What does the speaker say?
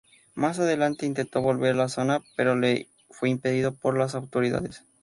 Más adelante intentó volver a la zona pero le fue impedido por las autoridades.